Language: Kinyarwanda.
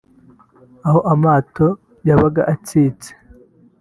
aho amato yabaga atsitse